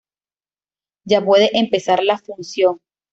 Ya puede empezar la función